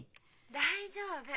☎大丈夫。